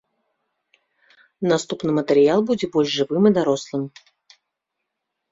Наступны матэрыял будзе больш жывым і дарослым.